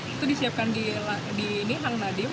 itu disiapkan di hang nadiem